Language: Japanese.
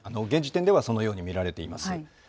現時点では、そのように見られています。